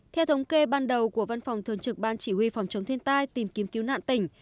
theo thống kê ban đầu của văn phòng thường trực ban chỉ huy phòng chống thiên tai tìm kiếm cứu nạn tỉnh